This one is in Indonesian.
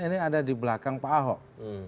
ini ada di belakang pak ahok